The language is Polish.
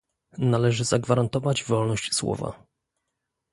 Należy zagwarantować wolność słowa